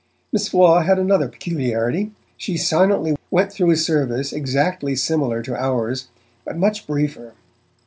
Miss Flaw had another peculiarity: she silently went through a service exactly similar to ours, but much briefer.